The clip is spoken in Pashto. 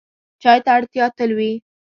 چای ته اړتیا تل وي.